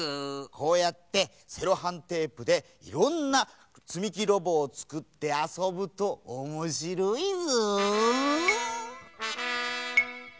こうやってセロハンテープでいろんなつみきロボをつくってあそぶとおもしろいぞ。